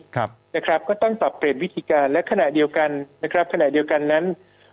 ก็ต้องตอบเปลี่ยนวิธีการและขณะเดียวกัน